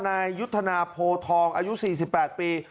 นายยุทธนาโพทองอายุ๔๘ปี